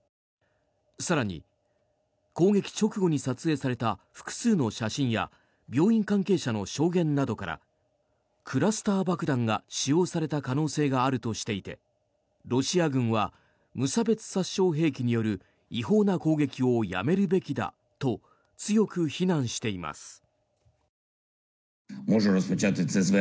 更に、攻撃直後に撮影された複数の写真や病院関係者の証言などからクラスター爆弾が使用された可能性があるとしていてロシア軍は無差別殺傷兵器による違法な攻撃をやめるべきだと強く非難しています。